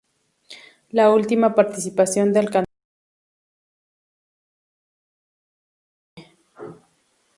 La última participación del cantante en un disco de Guaco editado al año siguiente.